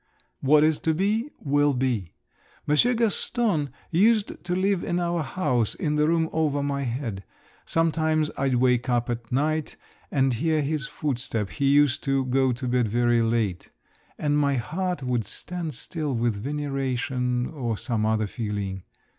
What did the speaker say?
What is to be, will be. Monsieur Gaston used to live in our house, in the room over my head. Sometimes I'd wake up at night and hear his footstep—he used to go to bed very late—and my heart would stand still with veneration, or some other feeling.